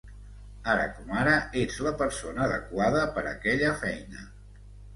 Ara com ara ets la persona adequada per aquella feina.